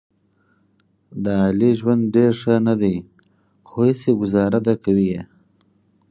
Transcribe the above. د علي ژوند ډېر ښه نه دی، خو هسې ګوزاره ده کوي یې.